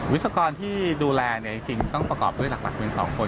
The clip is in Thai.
วิศกรที่ดูแลจริงต้องประกอบด้วยหลักเป็น๒คน